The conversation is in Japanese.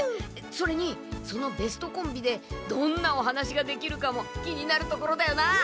それにそのベストコンビでどんなお話ができるかも気になるところだよな！